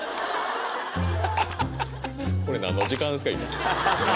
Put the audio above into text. これ何の時間ですか？